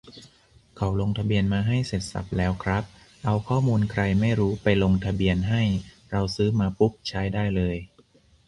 เขาลงทะเบียนมาให้เสร็จสรรพแล้วครับ เอาข้อมูลใครไม่รู้ไปลงทะเบียนให้ เราซื้อมาปุ๊บใช้ได้เลย